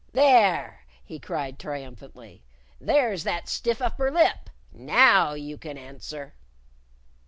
"There!" he cried triumphantly. "There's that stiff upper lip! Now you can answer."